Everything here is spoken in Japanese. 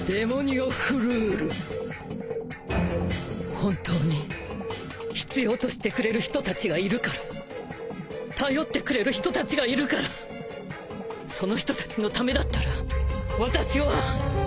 本当に必要としてくれる人たちがいるから頼ってくれる人たちがいるからその人たちのためだったら私は。